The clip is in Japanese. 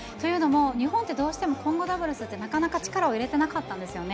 日本ってどうしても混合ダブルスって、なかなか力を入れてなかったんですよね。